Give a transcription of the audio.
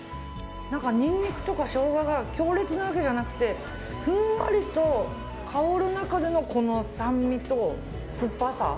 ニンニクとかショウガが強烈なわけじゃなくてふんわりと香る中でのこの酸味と酸っぱさ。